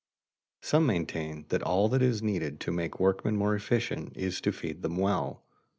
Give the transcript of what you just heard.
Some maintain that all that is needed to make workmen more efficient is to feed them well.